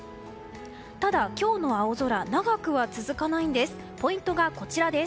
ただ、今日の青空長くは続かないんです。